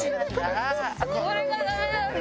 あっこれがダメなんだ。